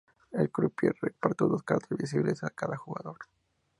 El crupier reparte dos cartas visibles a cada jugador.